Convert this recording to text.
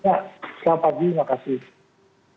ya selamat pagi terima kasih